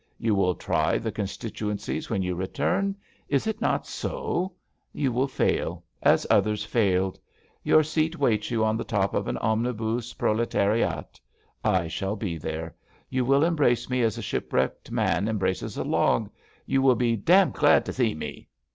You will try the con stituencies when you return; is it not so? You will fail. As others failed. THE HISTOEY OF A FALL 61 Tour seat waits you on the top of an Omnibuse Proletariat. I shall be there. You will embrace me as a shipwrecked man embraces a log. You will be dam glad t' see me.''